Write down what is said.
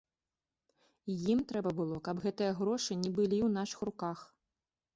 Ім трэба было, каб гэтыя грошы не былі ў нашых руках.